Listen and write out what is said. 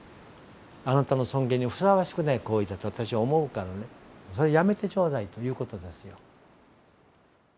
あなたの尊厳にふさわしくない行為だと私は思うからねそれはやめてちょうだいということですよ。